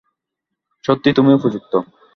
সত্যি তুমি উপযুক্ত?